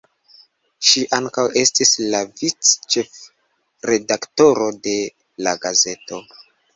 Ŝi ankaŭ estis la vic-ĉefredaktoro de la gazeto.